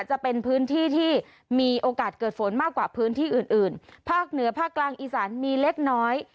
จะเป็นพื้นที่ที่มีโอกาสเกิดฝนมากกว่าพื้นที่อื่นอื่นภาคเหนือภาคกลางอีสานมีเล็กน้อย